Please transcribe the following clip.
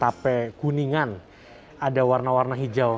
tape kuningan ada warna warna hijau